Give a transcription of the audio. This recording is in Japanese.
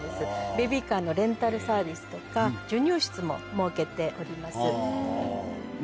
ベビーカーのレンタルサービスとか授乳室も設けております。